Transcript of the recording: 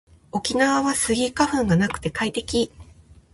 沖縄はスギ花粉がなくて快適